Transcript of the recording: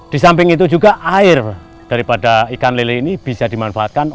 di samping itu juga air daripada ikan lele ini bisa dimanfaatkan untuk membuat ikan asin